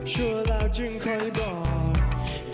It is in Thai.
ชัวร์แล้วจึงคอยบอก